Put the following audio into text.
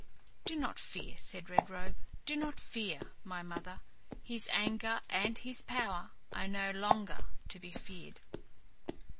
"Do not fear," said Red Robe, "do not fear, my mother, his anger and his power are no longer to be feared.